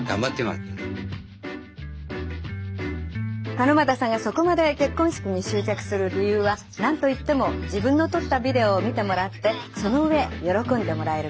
「鹿股さんがそこまで結婚式に執着する理由はなんといっても自分の撮ったビデオを見てもらってそのうえ喜んでもらえること。